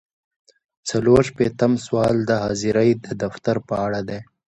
څلور شپیتم سوال د حاضرۍ د دفتر په اړه دی.